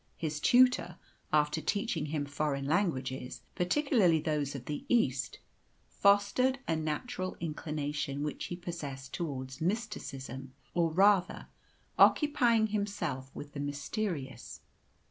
His tutor, after teaching him foreign languages, particularly those of the East, fostered a natural inclination which he possessed towards mysticism, or rather, occupying himself with the mysterious.